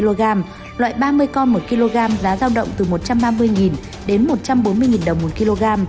loại ba mươi con một kg giá giao động từ một trăm ba mươi đến một trăm bốn mươi đồng một kg